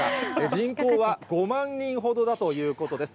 人口は５万人ほどだということです。